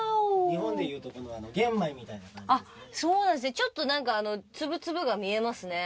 ちょっと何か粒々が見えますね。